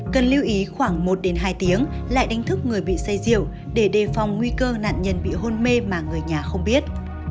cần lưu ý khoảng một hai tiếng lại đánh thức người bị say rượu để đề phòng nguy cơ nạn nhân bị hôn mê mà người nhà không biết